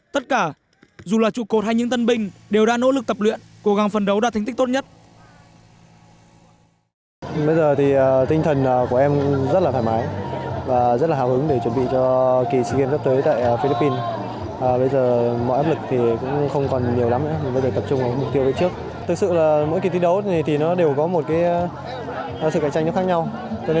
tất cả dù là trụ cột hay những tân binh đều đã nỗ lực tập luyện cố gắng phần đấu đạt thành tích tốt nhất